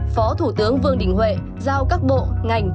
phó thủ tướng vương đình huệ giao các bộ ngành